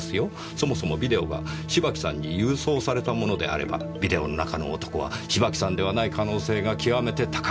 そもそもビデオが芝木さんに郵送されたものであればビデオの中の男は芝木さんではない可能性が極めて高い。